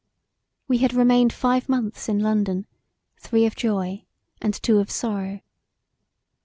We had remained five months in London three of joy and two of sorrow.